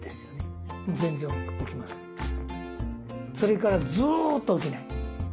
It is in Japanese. それからずっと起きない。